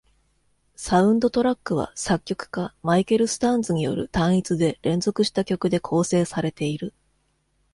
サウンドトラックは作曲家マイケル・スターンズによる単一で連続した曲で構成されている。